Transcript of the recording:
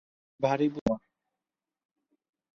ভারি বুদ্ধি তোমার!